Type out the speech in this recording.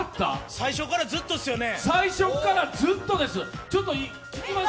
最初からずっとですよね。